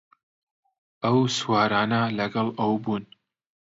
ئەو سوارانە لەگەڵ ئەو بوون